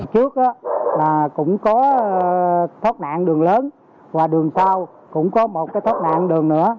trước là cũng có thoát nạn đường lớn và đường cao cũng có một cái thoát nạn đường nữa